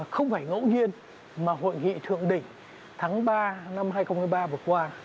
không phải ngẫu nhiên mà hội nghị thượng đỉnh tháng ba năm hai nghìn một mươi ba vừa qua